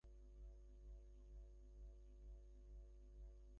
আমার সঙ্গে লোক দাও, আমি স্বয়ং গিয়া তাহাদের খুঁজিয়া বাহির করিয়া দিব।